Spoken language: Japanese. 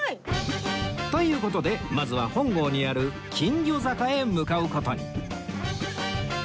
という事でまずは本郷にある金魚坂へ向かう事に